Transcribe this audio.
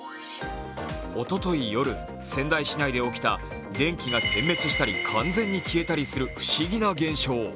おととい夜、仙台市内で起きた電気が点滅したり完全に消えたりする不思議な現象。